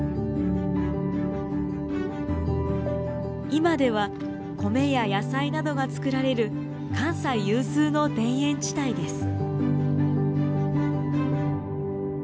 今では米や野菜などが作られる関西有数の田園地帯です。